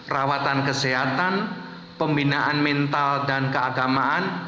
rawatan kesehatan pembinaan mental dan keagamaan